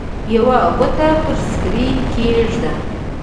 یوه ګوته پر سکرین کېږده.